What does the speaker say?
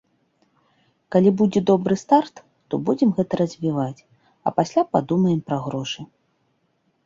Калі будзе добры старт, то будзем гэта развіваць, а пасля падумаем пра грошы.